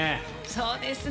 そうですね。